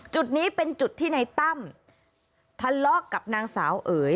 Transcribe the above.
จุดนี้เป็นจุดที่ในตั้มทะเลาะกับนางสาวเอ๋ย